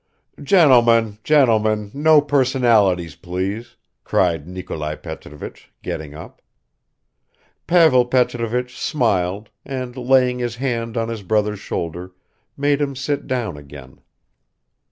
"Gentlemen, gentlemen, no personalities, please!" cried Nikolai Petrovich, getting up. Pavel Petrovich smiled, and laying his hand on his brother's shoulder, made him sit down again.